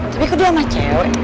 tapi kok dia sama cewek